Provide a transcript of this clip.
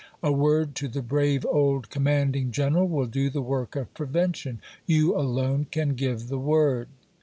A word to the brave old " Ljfe of s.' commanding general will do the work of prevention. You 'p. 424. ' alone can give the word.